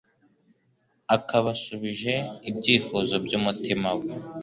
akaba asubije ibyifuzo by'umutima we?